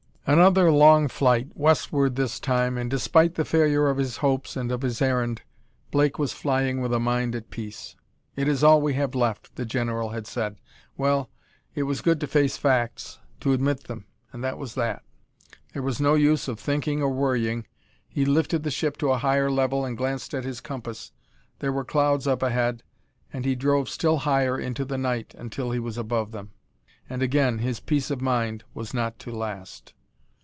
Another long flight, westward this time, and, despite the failure of his hopes and of his errand, Blake was flying with a mind at peace. "It is all we have left," the general had said. Well, it was good to face facts, to admit them and that was that! There was no use of thinking or worrying.... He lifted the ship to a higher level and glanced at his compass. There were clouds up ahead, and he drove still higher into the night, until he was above them. And again his peace of mind was not to last.